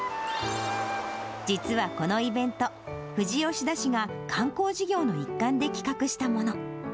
実はこのイベント、富士吉田市が観光事業の一環で企画したもの。